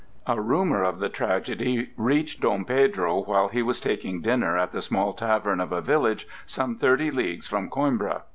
A rumor of the tragedy reached Dom Pedro while he was taking dinner at the small tavern of a village, some thirty leagues from Coimbra.